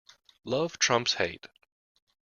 Love trumps hate.